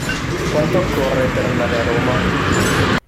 Quanto occorre per andare a Roma?